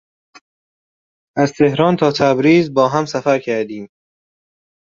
از تهران تا تبریز با هم سفر کردیم.